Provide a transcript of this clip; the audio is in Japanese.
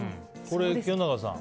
清永さん